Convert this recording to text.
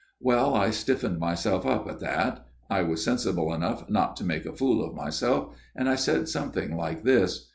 "' Well, I stiffened myself up at that. I was sensible enough not to make a fool of myself, and I said something like this."